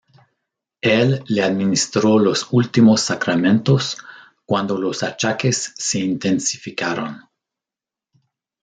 Él le administró los últimos sacramentos cuando los achaques se intensificaron.